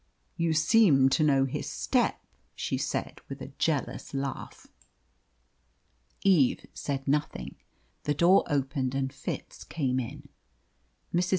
"You seem to know his step," she said, with a jealous laugh. Eve said nothing. The door opened, and Fitz came in. Mrs.